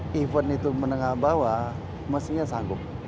bahwa event itu menengah bawah mesinnya sanggup